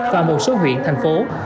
và một số huyện thành phố